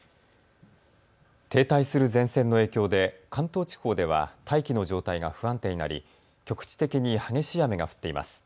停滞する前線の影響で関東地方では大気の状態が不安定になり局地的に激しい雨が降っています。